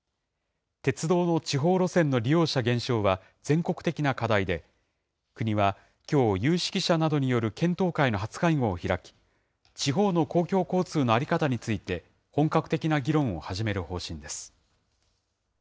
鉄道の地方路線の利用者減少は全国的な課題で、国はきょう、有識者などによる検討会の初会合を開き、地方の公共交通の在り方について本格的な議論を始める方針です。